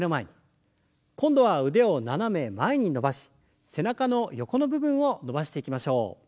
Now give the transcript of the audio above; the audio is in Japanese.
今度は腕を斜め前に伸ばし背中の横の部分を伸ばしていきましょう。